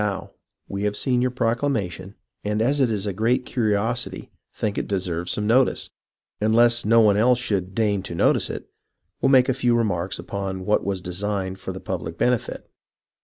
Howe : We have seen your proclamation and as it is a great curiosity think it deserves some notice, THE FLIGHT ACROSS THE JERSEYS 1 35 and lest no one else should deign to notice it, will make a few remarks upon what was designed for public benefit.